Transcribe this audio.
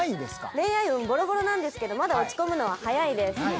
恋愛運ボロボロなんですけど、まだ落ち込むのは早いです。